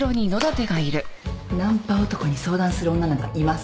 ナンパ男に相談する女なんかいません。